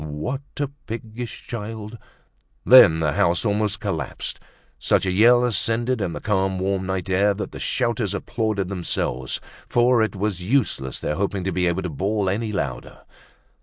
What a piggish child!" Then the house almost collapsed, such a yell ascended in the calm warm night air that the shouters applauded themselves, for it was useless their hoping to be able to bawl any louder.